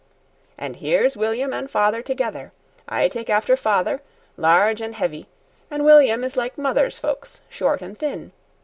"And here's William an' father together. I take after father, large and heavy, an' William is like mother's folks, short an' thin.